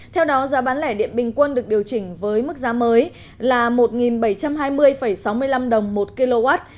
theo đó giá bán lẻ điện bình quân được điều chỉnh với mức giá mới là một bảy trăm hai mươi sáu mươi năm đồng một kw